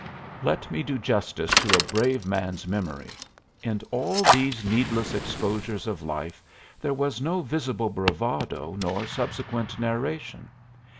Let me do justice to a brave man's memory; in all these needless exposures of life there was no visible bravado nor subsequent narration.